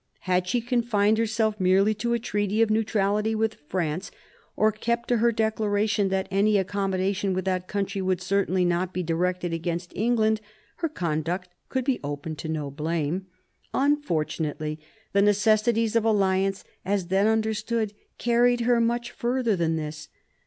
Had she confined herself merely to a treaty of neutrality with France, or kept to her declaration that any accommodation with that country would certainly not be directed against England, her conduct could be open to no blame. Unfortunately, the necessities of alliance as then understood carried her much further than this.